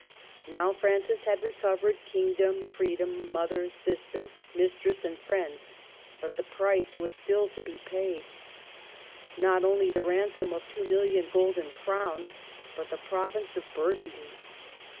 Now Francis had recovered kingdom, free dom, mother, sister, mistress, and friends ; but the price was still to be paid, — not only the ransom of two million golden crowns, but the province of Burgundy.